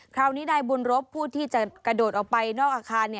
คราวนี้นายบุญรบผู้ที่จะกระโดดออกไปนอกอาคาร